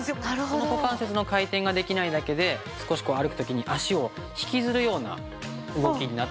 この股関節の回転ができないだけで少しこう歩く時に脚を引きずるような動きになって。